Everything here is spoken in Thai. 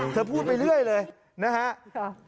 เธอพูดไปเรื่อยเลยนะฮะ